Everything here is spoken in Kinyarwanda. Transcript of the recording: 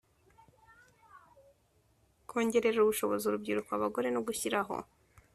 kongerera ubushobozi urubyiruko, abagore no gushyiraho